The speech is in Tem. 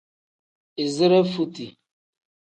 Izire futi.